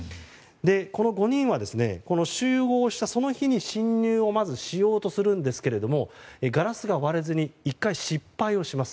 この５人はこの集合したその日に侵入をまずしようとするんですがガラスが割れずに１回失敗をします。